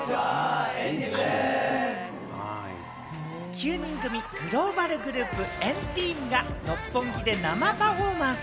９人組グローバルグループ、＆ＴＥＡＭが六本木で生パフォーマンス。